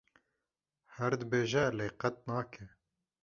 Her dibêje lê qet nake.